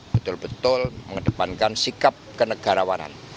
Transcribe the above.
betul betul mengedepankan sikap kenegarawanan